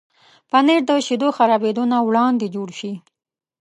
پنېر د شیدو خرابېدو نه وړاندې جوړ شي.